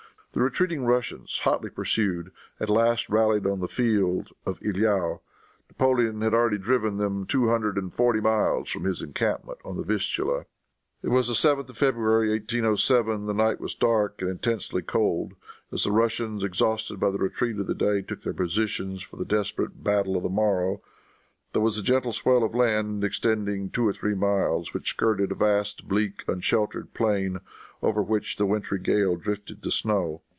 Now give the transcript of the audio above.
The retreating Russians, hotly pursued, at last rallied on the field of Eylau. Napoleon had already driven them two hundred and forty miles from his encampment on the Vistula. "It was the 7th of February, 1807. The night was dark and intensely cold as the Russians, exhausted by the retreat of the day, took their positions for the desperate battle of the morrow. There was a gentle swell of land extending two or three miles, which skirted a vast, bleak, unsheltered plain, over which the wintry gale drifted the snow.